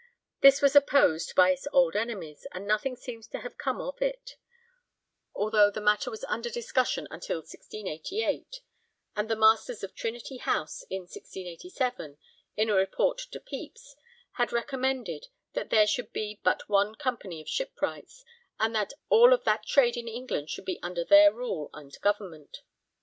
This was opposed by its old enemies, and nothing seems to have come of it, although the matter was under discussion until 1688, and the Masters of Trinity House in 1687, in a report to Pepys, had recommended that there should be but one Company of Shipwrights, and that all of that trade in England should be under their rule and government.